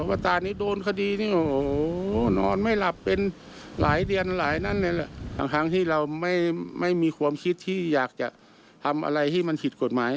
มีอยู่หลายเดือนหลายนั่นฮะทั้งที่เราไม่มีความคิดที่อยากจะทำอะไรที่มันผิดกฎหมาย